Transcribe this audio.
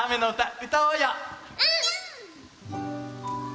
うん！